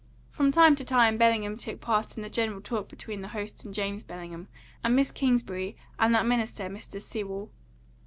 From time to time Bellingham took part in the general talk between the host and James Bellingham and Miss Kingsbury and that minister, Mr. Sewell.